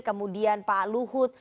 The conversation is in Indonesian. kemudian pak luhut